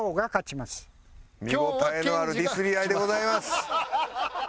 見応えのあるディスり合いでございます。